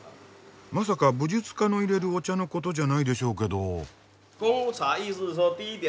まさか武術家のいれるお茶のことじゃないでしょうけど。